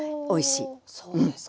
そうですか。